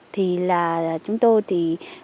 thì là chúng tôi thì